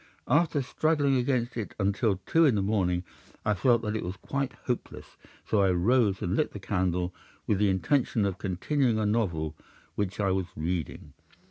After struggling against it until two in the morning, I felt that it was quite hopeless, so I rose and lit the candle with the intention of continuing a novel which I was reading.